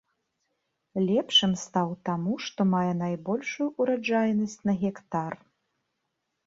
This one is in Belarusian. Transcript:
Лепшым стаў таму, што мае найбольшую ураджайнасць на гектар.